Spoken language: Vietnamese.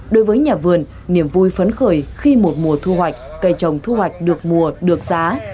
đối với nhà vườn niềm vui phấn khởi khi một mùa thu hoạch cây trồng thu hoạch được mùa được giá